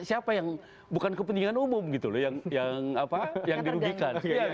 siapa yang bukan kepentingan umum gitu loh yang dirugikan